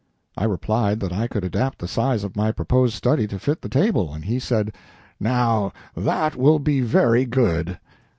I replied that I could adapt the size of my proposed study to fit the table, and he said: "Now that will be very good.